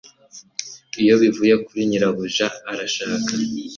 ibyo bivuye kuri nyirabuja arashaka